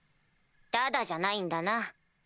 タダじゃないんだな。